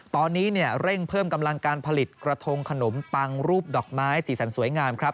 ตอนนี้เร่งเพิ่มกำลังการผลิตกระทงขนมปังรูปดอกไม้สีสันสวยงามครับ